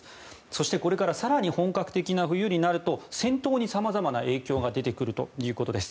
そして、これから更に本格的な冬になると戦闘にさまざまな影響が出てくるということです。